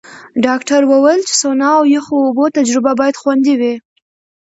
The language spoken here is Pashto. ډاکټره وویل چې سونا او یخو اوبو تجربه باید خوندي وي.